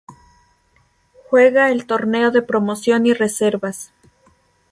Juegan el Torneo de Promoción y Reservas.